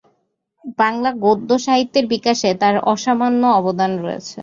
বাংলা গদ্য সাহিত্যের বিকাশে তার অসামান্য অবদান রয়েছে।